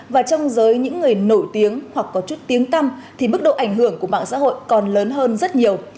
và trong giới những người nổi tiếng hoặc có chút tiếng tâm thì mức độ ảnh hưởng của mạng xã hội còn lớn hơn rất nhiều